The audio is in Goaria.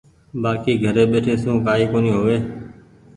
بآڪي گھري ٻيٺي سون ڪآئي ڪونيٚ هووي۔